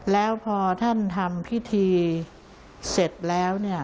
แล้วพอท่านทำพิธีเสร็จแล้ว